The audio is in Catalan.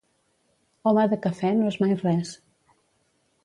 Home de cafè no és mai res.